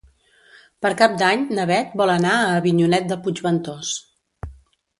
Per Cap d'Any na Beth vol anar a Avinyonet de Puigventós.